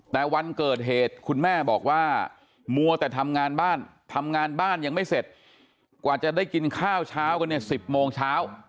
แต่วันเกิดเหตุคุณแม่บอกว่ามัวแต่ทำงานบ้านทำงานบ้านยังไม่เสร็จกว่าจะได้กินข้าวเช้ากันเนี่ย๑๐โมงเช้า